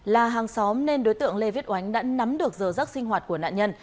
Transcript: là hàng xóm nên đối tượng lê viết oánh đã nắm được giờ rắc sinh hoạt của nạn nhân